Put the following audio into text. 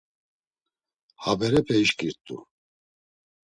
Haberepe işǩirt̆u.